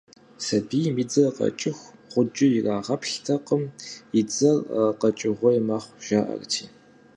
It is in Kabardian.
Сабийм и дзэр къэкӀыху гъуджэ ирагъаплъэртэкъым, и дзэр къэкӀыгъуей мэхъу, жаӀэрти.